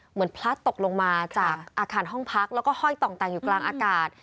พลัดตกลงมาจากอาคารห้องพักแล้วก็ห้อยต่องแต่งอยู่กลางอากาศ